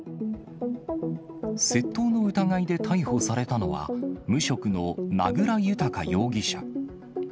窃盗の疑いで逮捕されたのは、無職の名倉豊容疑者。